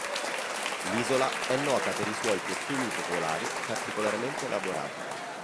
L'isola è nota per i suoi costumi popolari particolarmente elaborati.